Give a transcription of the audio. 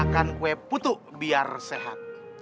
makan kue putuk biar sehat